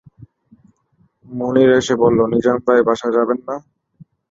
মুনির এসে বলল, নিজাম ভাই বাসায় যাবেন না?